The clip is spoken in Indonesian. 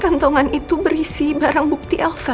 kantongan itu berisi barang bukti elsa